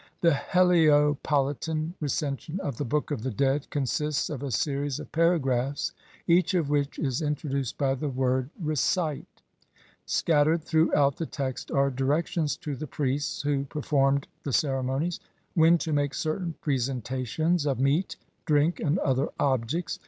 The Heliopolitan Recension of the Book of the Dead consists of a series of paragraphs, each of which is introduced by the word jTl "recite" ; scattered through out the text are directions to the priests who per formed the ceremonies when to make certain presen tations of meat, drink, and other objects.